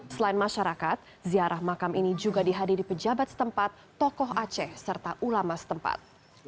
selain masyarakat ziarah makam ini juga dihadiri pejabat setempat tokoh aceh serta ulama setempat